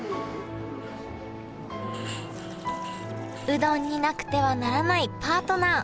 うどんになくてはならないパートナー。